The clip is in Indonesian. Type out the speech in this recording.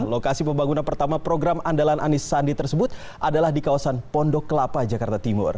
lokasi pembangunan pertama program andalan anies sandi tersebut adalah di kawasan pondok kelapa jakarta timur